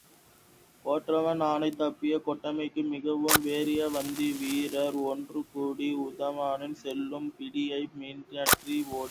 கொற்றவன் ஆணை தப்பிய கொடுமைக்கு மிகவும் வெருவிய அவந்தி வீரர் ஒன்றுகூடி, உதயணன் செல்லும் பிடியைப் பின்பற்றி ஓடினர்.